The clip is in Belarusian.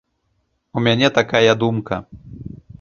У мяне такая думка.